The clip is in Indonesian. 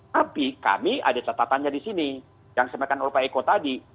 tapi kami ada catatannya di sini yang semerkan orpah eko tadi